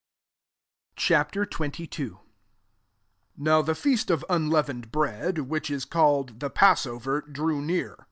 Ch XXII. 1 Now the feast of unleavened bread, which is called the passover, drew near.